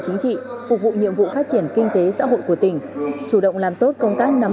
chính trị phục vụ nhiệm vụ phát triển kinh tế xã hội của tỉnh chủ động làm tốt công tác nắm